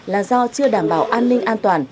là do chưa đảm bảo an ninh an toàn